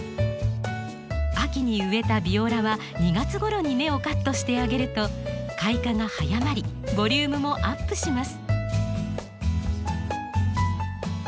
秋に植えたビオラは２月ごろに根をカットしてあげると開花が早まりボリュームもアップします。